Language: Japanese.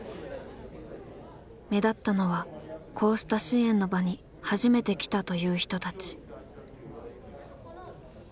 目立ったのはこうした支援の場に初めて来たという人たち。